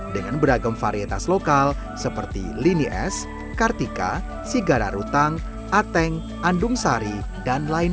dengan beragam varietas lokal seperti lini es kartika sigara rutang ateng andung sari dan lain lain